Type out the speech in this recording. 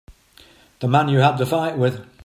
The man you had the fight with.